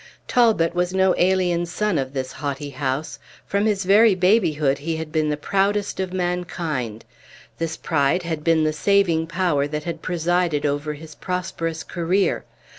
Talbot was no alien son of this haughty house; from his very babyhood he had been the proudest of mankind. This pride had been the saving power that had presided over his prosperous career.